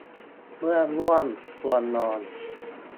เมื่อง่วง ควรนอน